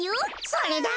それだ！